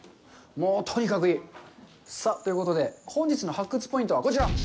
もう、とにかくいい。ということで、本日の発掘ポイントは、こちら！